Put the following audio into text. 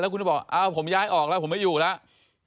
คุณก็บอกอ้าวผมย้ายออกแล้วผมไม่อยู่แล้ว